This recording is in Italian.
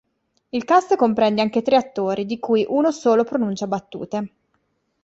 Il cast comprende anche tre attori, di cui uno solo pronuncia battute.